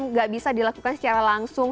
nggak bisa dilakukan secara langsung